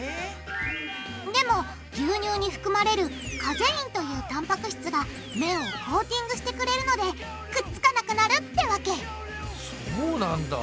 でも牛乳に含まれるカゼインというたんぱく質が麺をコーティングしてくれるのでくっつかなくなるってわけそうなんだ。